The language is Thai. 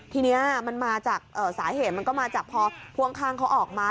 ทีนี้มันมาจากสาเหตุมันก็มาจากพอพ่วงข้างเขาออกมา